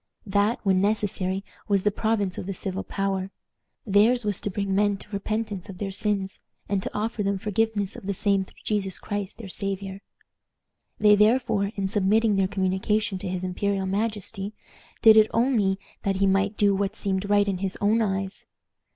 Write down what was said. That, when necessary, was the province of the civil power. Theirs was to bring men to repentance of their sins, and to offer them forgiveness of the same through Jesus Christ their Savior. They therefore, in submitting their communication to his imperial majesty, did it only that he might do what seemed right in his own eyes.